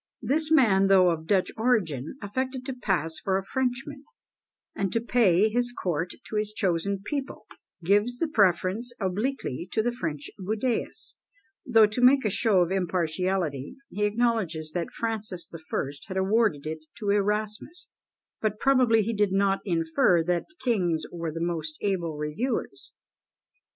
This man, though of Dutch origin, affected to pass for a Frenchman, and, to pay his court to his chosen people, gives the preference obliquely to the French Budæus; though, to make a show of impartiality, he acknowledges that Francis the First had awarded it to Erasmus; but probably he did not infer that kings were the most able reviewers!